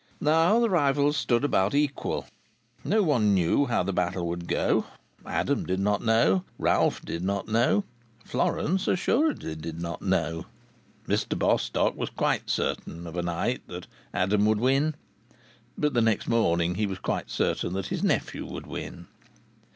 Now the rivals stood about equal. No one knew how the battle would go. Adam did not know. Ralph did not know. Florence assuredly did not know. Mr Bostock was quite certain, of a night, that Adam would win, but the next morning he was quite certain that his nephew would win.